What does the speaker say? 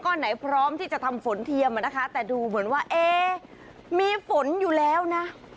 ไหนพร้อมที่จะทำฝนเทียมนะคะแต่ดูเหมือนว่าเอ๊มีฝนอยู่แล้วนะ